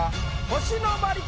星野真里か？